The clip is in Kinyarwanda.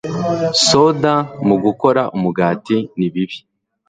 soda’ mu gukora umugati ni bibi